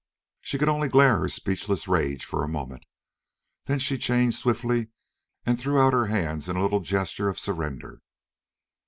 She could only glare her speechless rage for a moment. Then she changed swiftly and threw out her hands in a little gesture of surrender.